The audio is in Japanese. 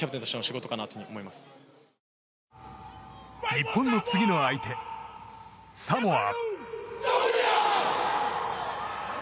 日本の次の相手、サモア。